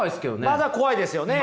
まだ怖いですよね。